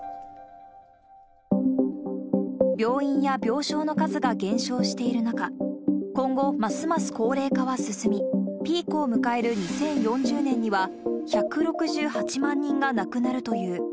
病院や病床の数が減少している中、今後、ますます高齢化は進み、ピークを迎える２０４０年には、１６８万人が亡くなるという。